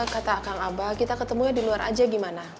kata kang abah kita ketemunya di luar aja gimana